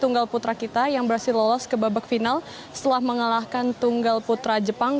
tunggal putra kita yang berhasil lolos ke babak final setelah mengalahkan tunggal putra jepang